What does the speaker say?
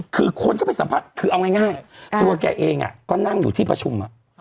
คือคนเขาไปสัมภัทรคือเอาง่ายง่ายตัวแกเองอ่ะก็นั่งอยู่ที่ประชุมอ่ะ